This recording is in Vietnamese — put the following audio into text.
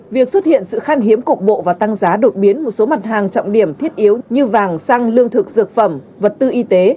việc xuất hiện sự khan hiếm cục bộ và tăng giá đột biến một số mặt hàng trọng điểm thiết yếu như vàng xăng lương thực dược phẩm vật tư y tế